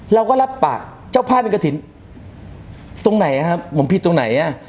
เราก็รับปากเจ้าภาพเป็นกระถิ่นตรงไหนอ่ะครับผมผิดตรงไหนอ่ะ